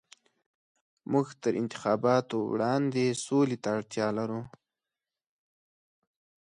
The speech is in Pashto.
موږ تر انتخاباتو وړاندې سولې ته اړتيا لرو.